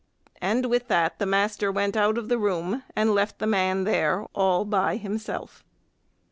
And with that the master went out of the room and left the man there all by himself.